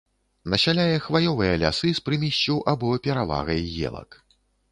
Насяляе хваёвыя лясы з прымессю або перавагай елак.